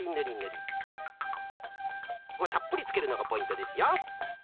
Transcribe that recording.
たっぷりつけるのがポイントですよ。